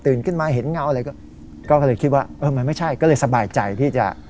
ขึ้นมาเห็นเงาอะไรก็เลยคิดว่าเออมันไม่ใช่ก็เลยสบายใจที่จะ